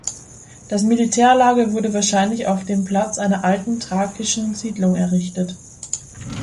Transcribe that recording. Das Militärlager wurde wahrscheinlich auf dem Platz einer alten thrakischen Siedlung errichtet.